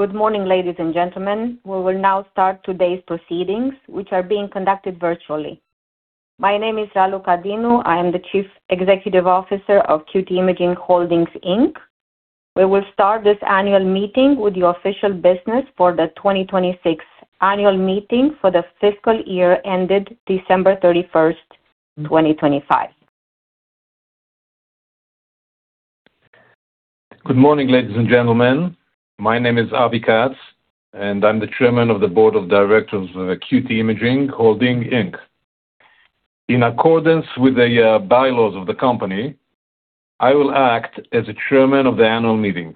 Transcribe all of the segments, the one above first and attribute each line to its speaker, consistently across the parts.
Speaker 1: Good morning, ladies and gentlemen. We will now start today's proceedings, which are being conducted virtually. My name is Raluca Dinu. I am the Chief Executive Officer of QT Imaging Holdings, Inc. We will start this annual meeting with the official business for the 2026 annual meeting for the fiscal year ended December 31st, 2025.
Speaker 2: Good morning, ladies and gentlemen. My name is Avi Katz, and I'm the Chairman of the Board of Directors of QT Imaging Holdings, Inc. In accordance with the bylaws of the company, I will act as a chairman of the annual meeting,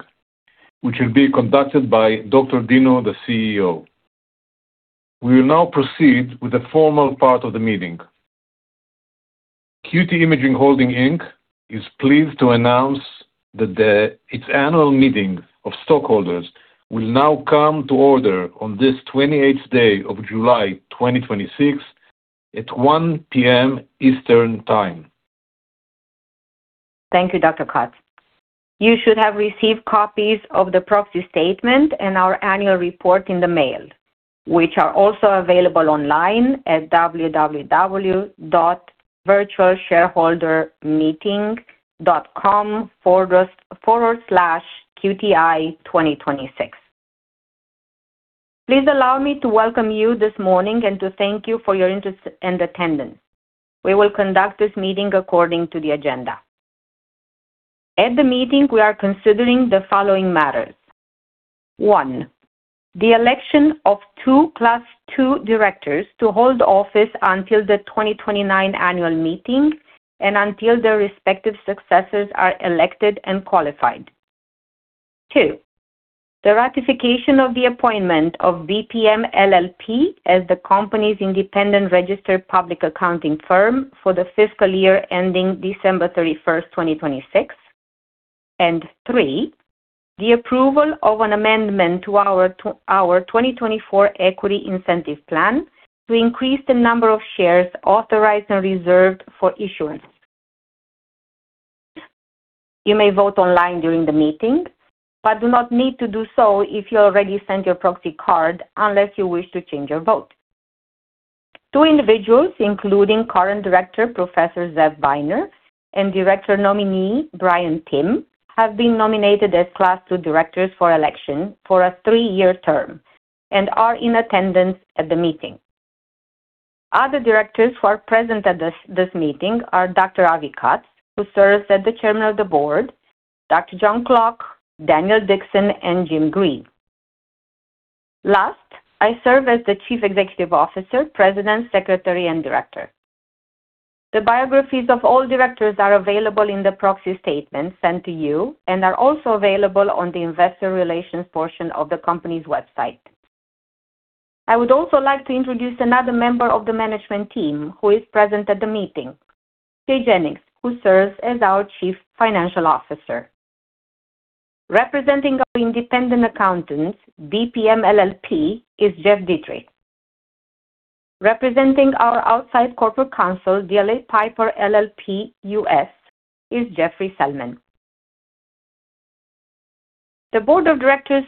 Speaker 2: which will be conducted by Dr. Dinu, the CEO. We will now proceed with the formal part of the meeting. QT Imaging Holdings, Inc. is pleased to announce that its annual meeting of stockholders will now come to order on this 28th day of July 2026 at 1:00 P.M. Eastern Time.
Speaker 1: Thank you, Dr. Katz. You should have received copies of the proxy statement and our annual report in the mail, which are also available online at www.virtualshareholdermeeting.com/qti2026. Please allow me to welcome you this morning and to thank you for your interest and attendance. We will conduct this meeting according to the agenda. At the meeting, we are considering the following matters. One, the election of two class II directors to hold office until the 2029 annual meeting and until their respective successors are elected and qualified. Two, the ratification of the appointment of BPM LLP as the company's independent registered public accounting firm for the fiscal year ending December 31st, 2026. Three, the approval of an amendment to our 2024 Equity Incentive Plan to increase the number of shares authorized and reserved for issuance. You may vote online during the meeting, but do not need to do so if you already sent your proxy card unless you wish to change your vote. Two individuals, including current director Professor Zeev Weiner and director nominee Brian Timm, have been nominated as class II directors for election for a three-year term and are in attendance at the meeting. Other directors who are present at this meeting are Dr. Avi Katz, who serves as the Chairman of the Board, Dr. John Klock, Daniel Dickson, and Jim Greene. Last, I serve as the Chief Executive Officer, President, Secretary, and Director. The biographies of all directors are available in the proxy statement sent to you and are also available on the investor relations portion of the company's website. I would also like to introduce another member of the management team who is present at the meeting, Jay Jennings, who serves as our Chief Financial Officer. Representing our independent accountant, BPM LLP, is Jeff Dietrich. Representing our outside corporate counsel, DLA Piper LLP US, is Jeffrey Selman. The board of directors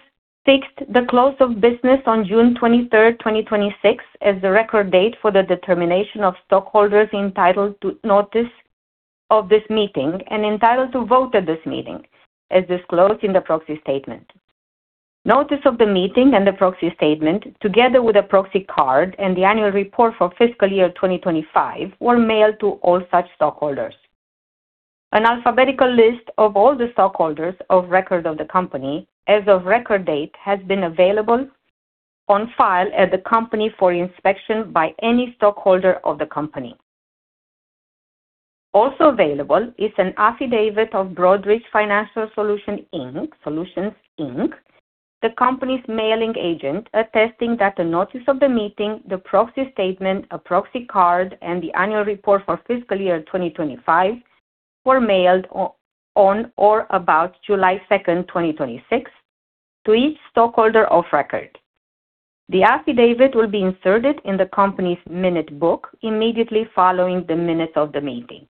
Speaker 1: fixed the close of business on June 23rd, 2026, as the record date for the determination of stockholders entitled to notice of this meeting and entitled to vote at this meeting, as disclosed in the proxy statement. Notice of the meeting and the proxy statement, together with a proxy card and the annual report for fiscal year 2025, were mailed to all such stockholders. An alphabetical list of all the stockholders of record of the company as of record date has been available on file at the company for inspection by any stockholder of the company. Also available is an affidavit of Broadridge Financial Solutions, Inc., the company's mailing agent, attesting that the notice of the meeting, the proxy statement, a proxy card, and the annual report for fiscal year 2025 were mailed on or about July 2nd, 2026, to each stockholder of record. The affidavit will be inserted in the company's minute book immediately following the minutes of the meeting.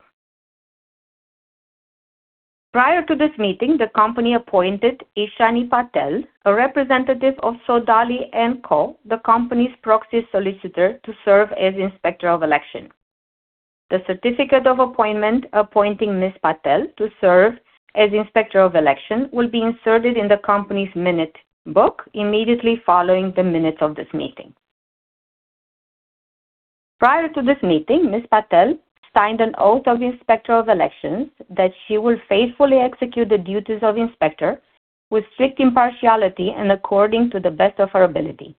Speaker 1: Prior to this meeting, the company appointed Ishani Patel, a representative of Sodali & Co., the company's proxy solicitor, to serve as inspector of election. The certificate of appointment appointing Ms. Patel to serve as inspector of election will be inserted in the company's minute book immediately following the minutes of this meeting. Prior to this meeting, Ms. Patel signed an oath of inspector of elections that she will faithfully execute the duties of inspector with strict impartiality and according to the best of her ability.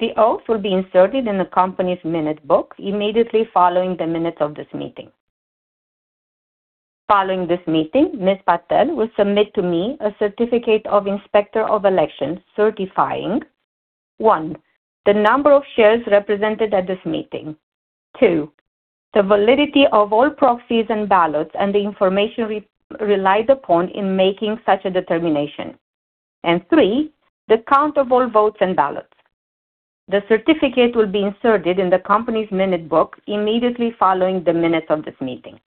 Speaker 1: The oath will be inserted in the company's minute book immediately following the minutes of this meeting. Following this meeting, Ms. Patel will submit to me a certificate of inspector of elections certifying, one, the number of shares represented at this meeting, two, the validity of all proxies and ballots and the information relied upon in making such a determination, and three, the count of all votes and ballots. The certificate will be inserted in the company's minute book immediately following the minutes of this meeting.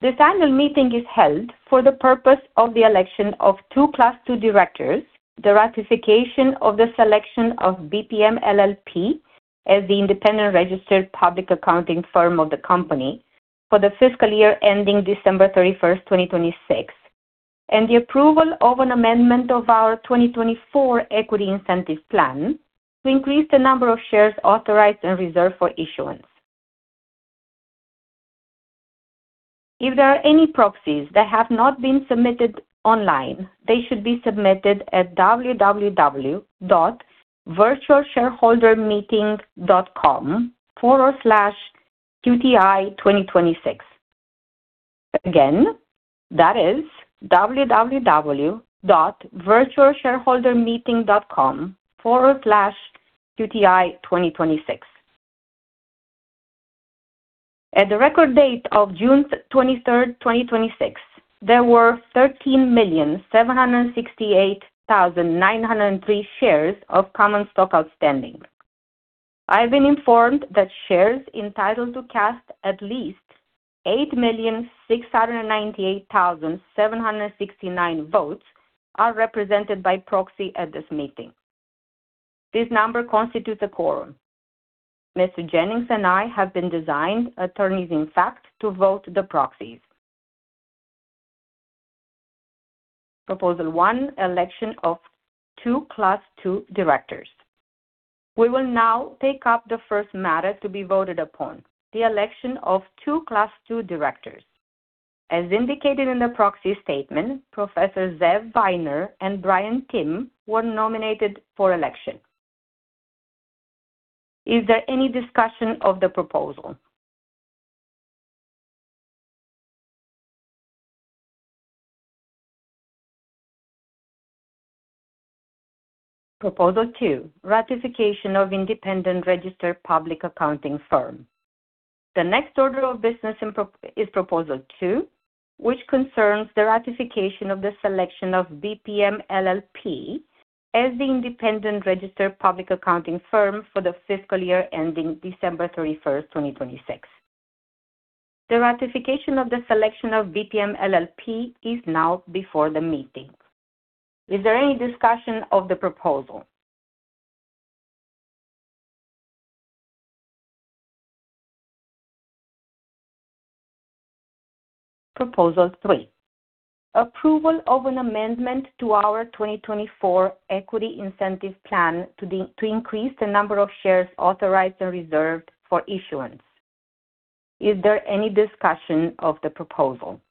Speaker 1: This annual meeting is held for the purpose of the election of two Class II directors, the ratification of the selection of BPM LLP as the independent registered public accounting firm of the Company for the fiscal year ending December 31st, 2026, and the approval of an amendment of our 2024 Equity Incentive Plan to increase the number of shares authorized and reserved for issuance. If there are any proxies that have not been submitted online, they should be submitted at www.virtualshareholdermeeting.com/qti2026. Again, that is www.virtualshareholdermeeting.com/qti2026. At the record date of June 23rd, 2026, there were 13,768,903 shares of common stock outstanding. I have been informed that shares entitled to cast at least 8,698,769 votes are represented by proxy at this meeting. This number constitutes a quorum. Mr. Jennings and I have been designated attorneys in fact to vote the proxies. Proposal one, election of two Class II directors. We will now take up the first matter to be voted upon, the election of two Class II directors. As indicated in the proxy statement, Professor Zeev Weiner and Brian Timm were nominated for election. Is there any discussion of the proposal? Proposal two, ratification of independent registered public accounting firm. The next order of business is proposal two, which concerns the ratification of the selection of BPM LLP as the independent registered public accounting firm for the fiscal year ending December 31st, 2026. The ratification of the selection of BPM LLP is now before the meeting. Is there any discussion of the proposal? Proposal three, approval of an amendment to our 2024 Equity Incentive Plan to increase the number of shares authorized and reserved for issuance. Is there any discussion of the proposal?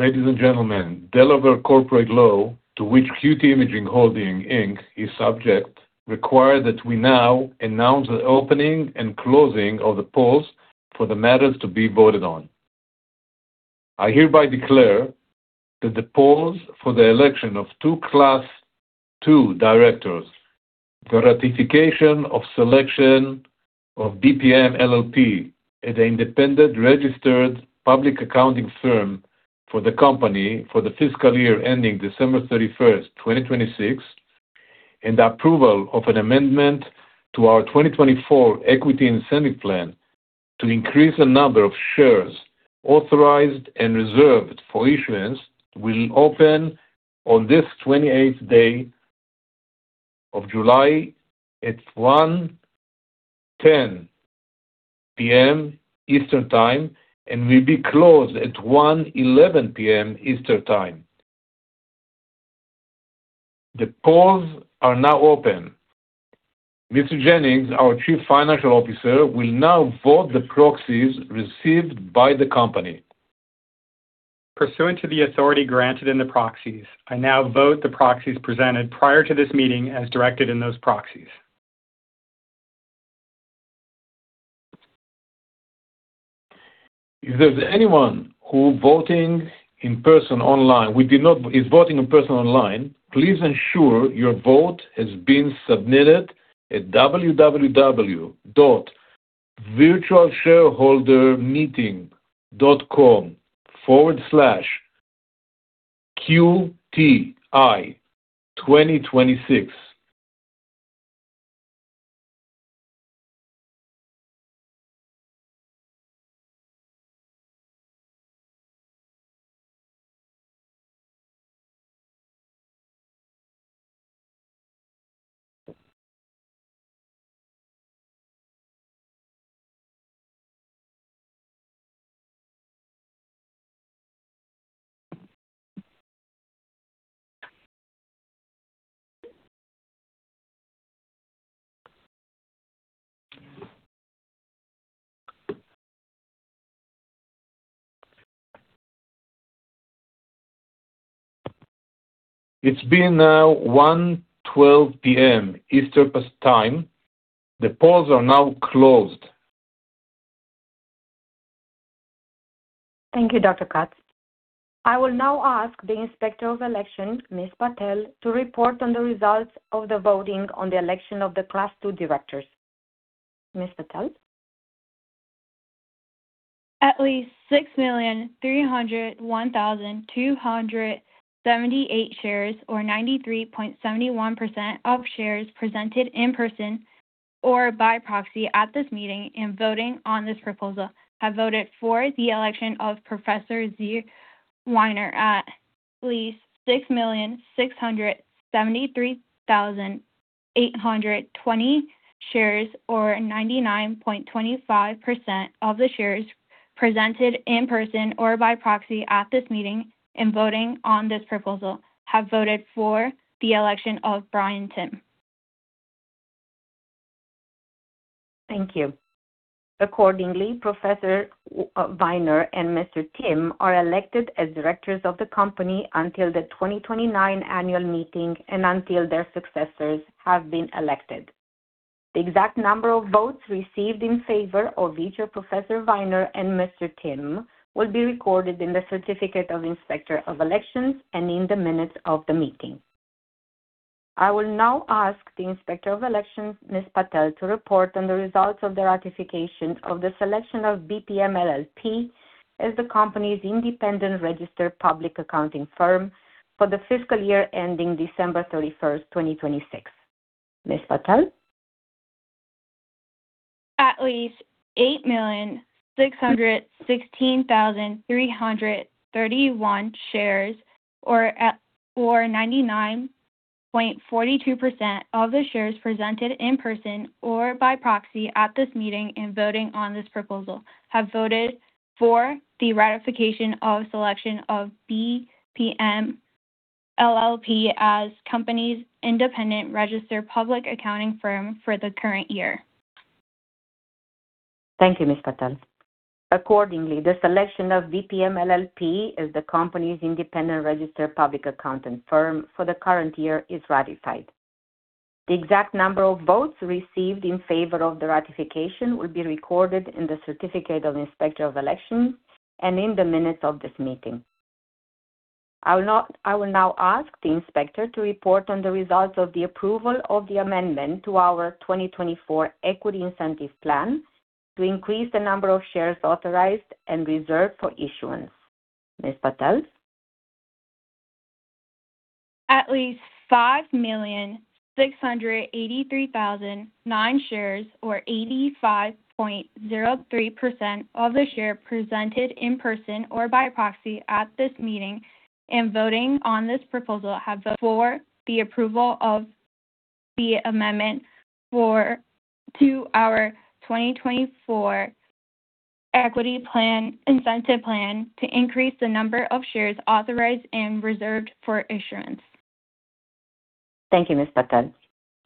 Speaker 2: Ladies and gentlemen, Delaware corporate law, to which QT Imaging Holdings, Inc. is subject, require that we now announce the opening and closing of the polls for the matters to be voted on. I hereby declare that the polls for the election of two Class II directors, the ratification of selection of BPM LLP as the independent registered public accounting firm for the Company for the fiscal year ending December 31st, 2026, and approval of an amendment to our 2024 Equity Incentive Plan to increase the number of shares authorized and reserved for issuance, will open on this 28th day of July at 1:10 P.M. Eastern Time and will be closed at 1:11 P.M. Eastern Time. The polls are now open. Mr. Jennings, our Chief Financial Officer, will now vote the proxies received by the Company.
Speaker 3: Pursuant to the authority granted in the proxies, I now vote the proxies presented prior to this meeting as directed in those proxies.
Speaker 2: If there's anyone who is voting in person online, please ensure your vote has been submitted at www.virtualshareholdermeeting.com/qti2026. It's being now 1:12 P.M. Eastern Time. The polls are now closed.
Speaker 1: Thank you, Dr. Katz. I will now ask the Inspector of Election, Ms. Patel, to report on the results of the voting on the election of the Class II directors. Ms. Patel?
Speaker 4: At least 6,301,278 shares, or 93.71% of shares presented in person or by proxy at this meeting and voting on this proposal, have voted for the election of Professor Zeev Weiner. At least 6,673,820 shares, or 99.25% of the shares presented in person or by proxy at this meeting and voting on this proposal, have voted for the election of Brian Timm.
Speaker 1: Thank you. Professor Weiner and Mr. Timm are elected as directors of the company until the 2029 annual meeting and until their successors have been elected. The exact number of votes received in favor of each of Professor Weiner and Mr. Timm will be recorded in the Certificate of Inspector of Elections and in the minutes of the meeting. I will now ask the Inspector of Elections, Ms. Patel, to report on the results of the ratification of the selection of BPM LLP as the company's independent registered public accounting firm for the fiscal year ending December 31st, 2026. Ms. Patel?
Speaker 4: At least 8,616,331 shares, or 99.42% of the shares presented in person or by proxy at this meeting and voting on this proposal, have voted for the ratification of selection of BPM LLP as company's independent registered public accounting firm for the current year.
Speaker 1: Thank you, Ms. Patel. Accordingly, the selection of BPM LLP as the company's independent registered public accounting firm for the current year is ratified. The exact number of votes received in favor of the ratification will be recorded in the Certificate of Inspector of Elections and in the minutes of this meeting. I will now ask the inspector to report on the results of the approval of the amendment to our 2024 Equity Incentive Plan to increase the number of shares authorized and reserved for issuance. Ms. Patel?
Speaker 4: At least 5,683,009 shares, or 85.03% of the share presented in person or by proxy at this meeting and voting on this proposal, have voted for the approval of the amendment to our 2024 Equity Incentive Plan to increase the number of shares authorized and reserved for issuance.
Speaker 1: Thank you, Ms. Patel.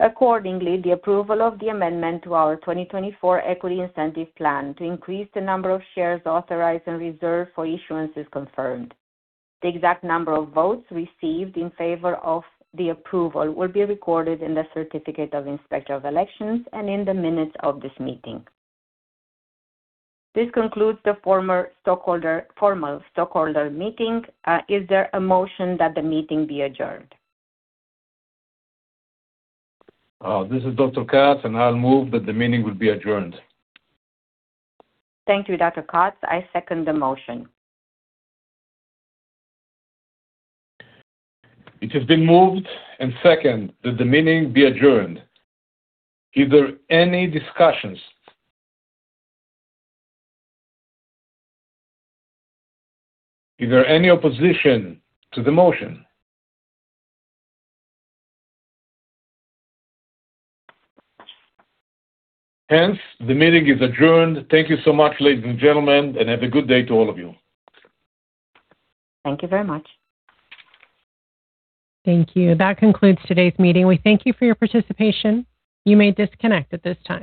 Speaker 1: Accordingly, the approval of the amendment to our 2024 Equity Incentive Plan to increase the number of shares authorized and reserved for issuance is confirmed. The exact number of votes received in favor of the approval will be recorded in the Certificate of Inspector of Elections and in the minutes of this meeting. This concludes the formal stockholder meeting. Is there a motion that the meeting be adjourned?
Speaker 2: This is Dr. Katz, I'll move that the meeting will be adjourned.
Speaker 1: Thank you, Dr. Katz. I second the motion.
Speaker 2: It has been moved and seconded that the meeting be adjourned. Is there any discussions? Is there any opposition to the motion? The meeting is adjourned. Thank you so much, ladies and gentlemen, and have a good day to all of you.
Speaker 1: Thank you very much. Thank you. That concludes today's meeting. We thank you for your participation. You may disconnect at this time.